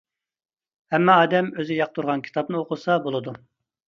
ھەممە ئادەم ئۆزى ياقتۇرغان كىتابنى ئوقۇسا بولىدۇ.